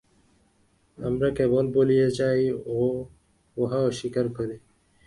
আমরা কেবল ভুলিয়া যাই ও উহা অস্বীকার করি।